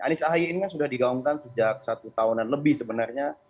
anies ahy ini kan sudah digaungkan sejak satu tahunan lebih sebenarnya